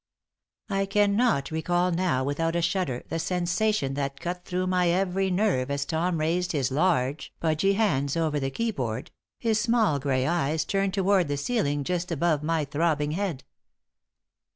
I cannot recall now without a shudder the sensation that cut through my every nerve as Tom raised his large, pudgy hands above the keyboard, his small, gray eyes turned toward the ceiling just above my throbbing head.